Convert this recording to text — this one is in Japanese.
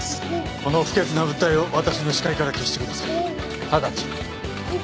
この不潔な物体を私の視界から消してくださいただちに。